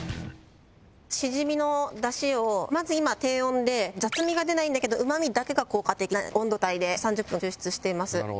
しじみの出汁をまず今低温で雑味が出ないんだけどうま味だけが効果的な温度帯で３０分抽出しています